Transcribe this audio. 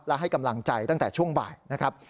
และให้กำลังใจตั้งแต่ช่วงบ่ายนะครับ